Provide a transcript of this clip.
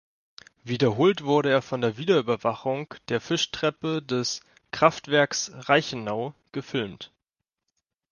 Wiederholt wurde er von der Videoüberwachung der Fischtreppe des "Kraftwerks Reichenau" gefilmt.